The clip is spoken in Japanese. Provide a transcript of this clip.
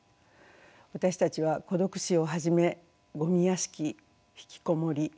私たちは孤独死をはじめゴミ屋敷引きこもり８０５０